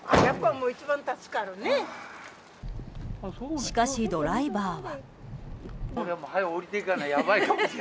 しかし、ドライバーは。